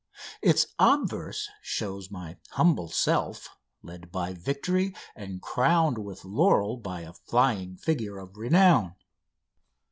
Its obverse shows my humble self led by Victory and crowned with laurel by a flying figure of Renown.